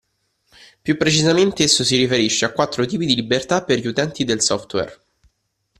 Più precisamente, esso si riferisce a quattro tipi di libertà per gli utenti del software.